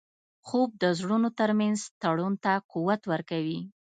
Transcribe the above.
خوب د زړونو ترمنځ تړون ته قوت ورکوي